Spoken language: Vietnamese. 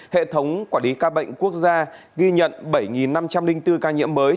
hệ thống quản lý ca bệnh quốc gia ghi nhận bảy năm trăm linh bốn ca nhiễm mới